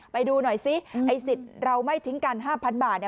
ไปดูหน่อยซิไอ้สิทธิ์เราไม่ทิ้งกัน๕๐๐บาทเนี่ย